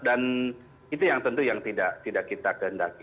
dan itu yang tentu yang tidak kita kendaki